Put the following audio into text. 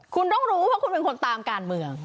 คุณต้องรู้เพราะคุณเป็นคนตามการเมือง